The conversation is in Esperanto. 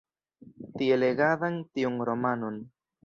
Tie legadan tiun romanon.